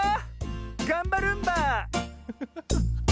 がんばるんば！